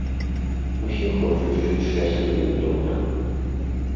Усе хочуць жыць шчасліва і добра.